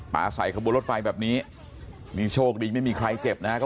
ปลาใส่ขบวนรถไฟแบบนี้นี่โชคดีไม่มีใครเจ็บนะครับ